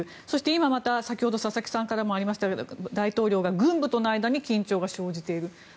そして今また、先ほど佐々木さんからもありましたが大統領が軍部との間に緊張が生じている。